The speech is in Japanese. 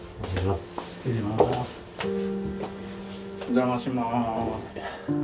お邪魔します。